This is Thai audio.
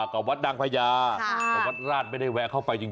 กับวัดดังพญาแต่วัดราชไม่ได้แวะเข้าไปจริง